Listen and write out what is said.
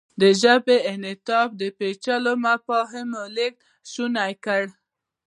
د ژبې انعطاف د پېچلو مفاهیمو لېږد شونی کړ.